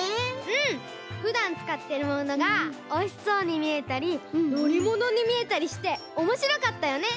うんふだんつかってるものがおいしそうにみえたりのりものにみえたりしておもしろかったよね！